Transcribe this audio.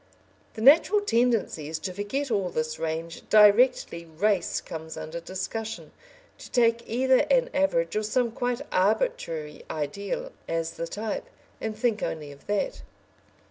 The natural tendency is to forget all this range directly "race" comes under discussion, to take either an average or some quite arbitrary ideal as the type, and think only of that.